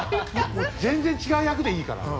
全然違う役でいいから。